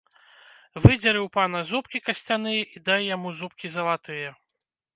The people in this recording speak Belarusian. Выдзеры ў пана зубкі касцяныя і дай яму зубкі залатыя!